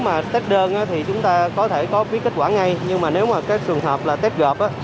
mà test đơn thì chúng ta có thể có biết kết quả ngay nhưng mà nếu mà cái trường hợp là test gợp